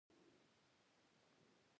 د احمد خوله او لاس ولاړ دي.